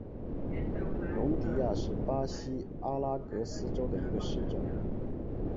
容迪亚是巴西阿拉戈斯州的一个市镇。